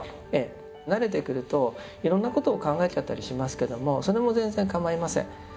慣れてくるといろんなことを考えちゃったりしますけどもそれも全然構いません。